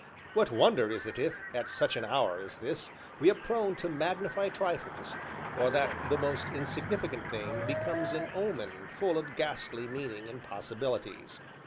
What wonder is it if, at such an hour as this, we are prone to magnify trifles, or that the most insignificant thing becomes an omen full of ghastly meaning and possibilities?